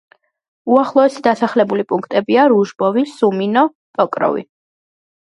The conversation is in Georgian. უახლოესი დასახლებული პუნქტებია: რუჟბოვო, სუმინო, პოკროვი.